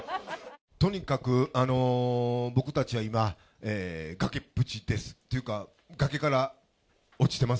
とにかく僕たちは今、崖っぷちです。というか、崖から落ちてます。